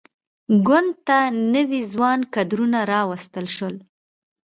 ګوند ته نوي ځوان کدرونه راوستل شول.